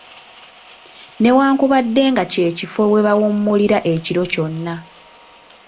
Ne wankubadde nga kye kifo we bawummulira ekiro kyonna.